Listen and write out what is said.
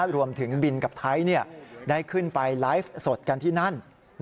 รวมถึงบินกับไทยได้ขึ้นไปไลฟ์สดกันที่นั่น